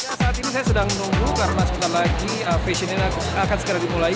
ya saat ini saya sedang menunggu karena sebentar lagi fashion ini akan segera dimulai